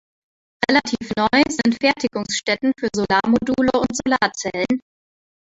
Relativ neu sind Fertigungsstätten für Solarmodule und Solarzellen.